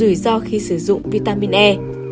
ba rủi ro khi sử dụng vitamin e